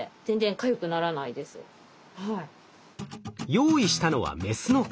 用意したのはメスの蚊。